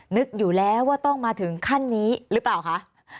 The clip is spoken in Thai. นึกอยู่แล้วว่าต้องมาถึงขั้นนี้หรือเปล่าคะ